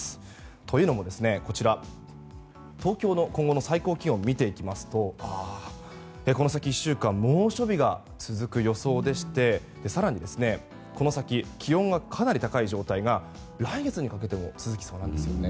というのも、東京の今後の最高気温を見ていきますとこの先、１週間猛暑日が続く予想でして更に、この先気温がかなり高い状態が来月にかけても続きそうなんですよね。